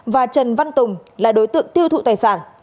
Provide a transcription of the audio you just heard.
và trần văn tùng là đối tượng tiêu thụ tài sản